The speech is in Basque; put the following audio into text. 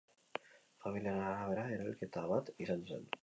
Familiaren arabera, erailketa bat izan zen.